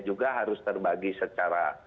juga harus terbagi secara